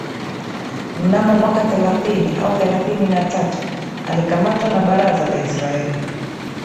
Mnamo mwaka thelathini au thelathini na tatu alikamatwa na baraza la Israeli